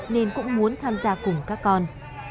nên cũng muốn tham gia cùng các con